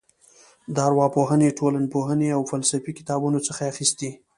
د ارواپوهنې ټولنپوهنې او فلسفې کتابونو څخه یې اخیستې.